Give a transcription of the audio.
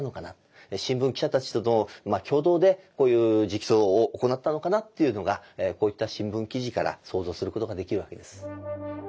新聞記者たちとの共同でこういう直訴を行ったのかなっていうのがこういった新聞記事から想像することができるわけです。